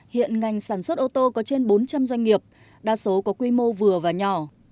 hiện ngành sản xuất ô tô có trên bốn trăm linh doanh nghiệp đa số có quy mô vừa và nhỏ